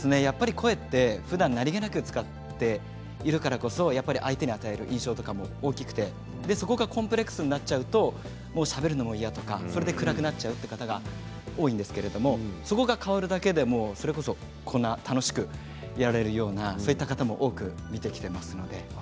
声はふだん何気なく使っているから相手に与える印象とかも大きくてそこがコンプレックスになっちゃうとしゃべるのも嫌とかそれで暗くなっちゃう方が多いんですけれどそこが変わるだけでそれこそこんなに楽しくいられるようなそういった方も多く見てきていますので。